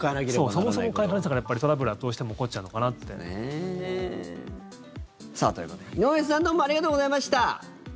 そうそもそもを変える話だからやっぱりトラブルは、どうしても起こっちゃうのかなって。ということで、井上さんどうもありがとうございました。